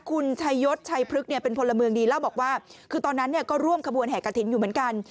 คุณชายศชัยพฤกษ์เป็นพลเมืองดีเล่าบอกว่าคือตอนนั้นเนี่ยก็ร่วมขบวนแห่กระถิ่นอยู่เหมือนกัน